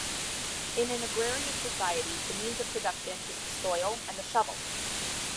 In an agrarian society the means of production is the soil and the shovel.